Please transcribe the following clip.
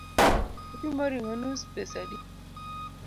Ipimo ring’o nus pesa adi?